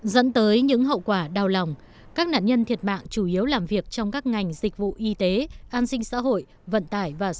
dẫn tới những hậu quả đau lòng các nạn nhân thiệt mạng chủ yếu làm việc trong các ngành dịch vụ y tế an sinh xã hội vận tải và sở du